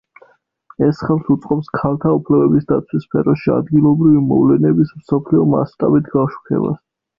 ეს ხელს უწყობს ქალთა უფლებების დაცვის სფეროში ადგილობრივი მოვლენების მსოფლიო მასშტაბით გაშუქებას.